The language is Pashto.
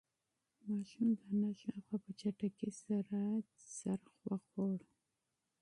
ماشوم د انا شاوخوا په چټکۍ سره یو چکر وواهه.